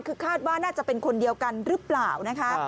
คือคาดว่าน่าจะเป็นคนเดียวกันหรือเปล่านะคะ